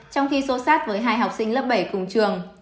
trong khi sâu sát với hai học sinh lớp bảy cùng trường